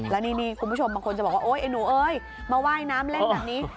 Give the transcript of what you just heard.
แล้วนี่คุณผู้ชมบางคนจะบอกว่าโอ๊ยไอ้หนูเอ้ยมาว่ายน้ำเล่นแบบนี้